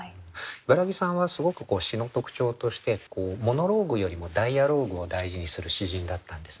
茨木さんはすごく詩の特徴としてモノローグよりもダイアローグを大事にする詩人だったんですね。